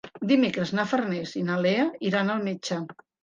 Dimecres na Farners i na Lea iran al metge.